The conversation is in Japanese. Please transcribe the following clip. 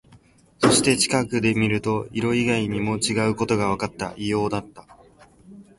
そして、近くで見ると、色以外も違うことがわかった。異様だった。